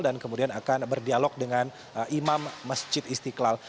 dan kemudian akan berdialog dengan imam masjid istiqlal